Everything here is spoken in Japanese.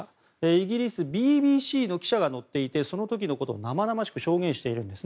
イギリスＢＢＣの記者が乗っていてその時のことを生々しく証言しています。